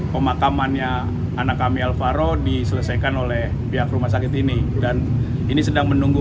pemakamannya anak kami alvaro diselesaikan oleh pihak rumah sakit ini dan ini sedang menunggu